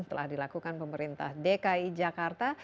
telah dilakukan pemerintah dki jakarta